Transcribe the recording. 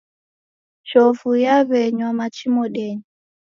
Chovu yaw'enywa machi modenyi.